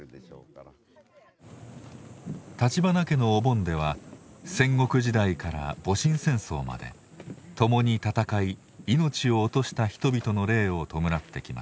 立花家のお盆では戦国時代から戊辰戦争まで共に戦い命を落とした人々の霊を弔ってきました。